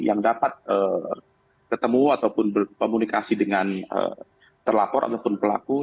yang dapat ketemu ataupun berkomunikasi dengan terlapor ataupun pelaku